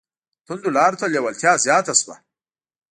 توندو لارو ته لېوالتیا زیاته شوه